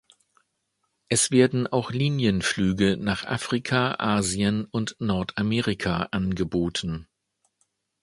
Es werden auch Linienflüge nach Afrika, Asien und Nordamerika angeboten.